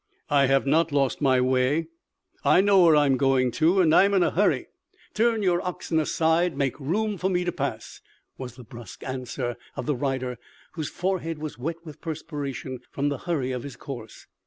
"I have not lost my way; I know where I am going to; and I am in a hurry. Turn your oxen aside; make room for me to pass," was the brusque answer of the rider, whose forehead was wet with perspiration from the hurry of his course.